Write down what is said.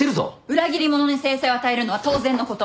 裏切り者に制裁を与えるのは当然のこと。